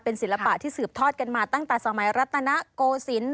ศิลปะที่สืบทอดกันมาตั้งแต่สมัยรัตนโกศิลป์